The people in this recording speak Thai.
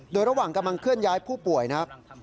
โดยระหว่างกำลังเคลื่อนย้ายผู้ป่วยนะครับ